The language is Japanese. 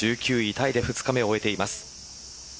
タイで２日目を終えています。